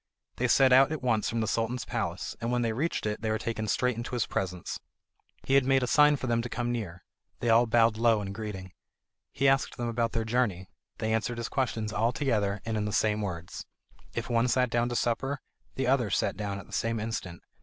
They set out at once for the Sultan's palace, and when they reached it, they were taken straight into his presence. He made a sign for them to come near; they all bowed low in greeting. He asked them about their journey; they answered his questions all together, and in the same words. If one sat down to supper, the others sat down at the same instant.